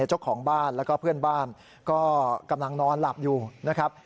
เจ้าของบ้านแล้วก็เพื่อนบ้านก็กำลังนอนหลับอยู่นะครับ